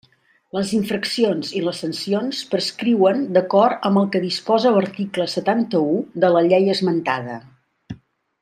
Les infraccions i les sancions prescriuen d'acord amb el que disposa l'article setanta-u de la Llei esmentada.